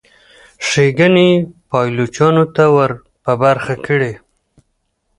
ښېګڼې یې پایلوچانو ته ور په برخه کړي.